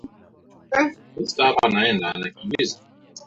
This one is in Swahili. bodi ilihakikisha kwamba kuna kiwango cha kutosha cha noti na sarafu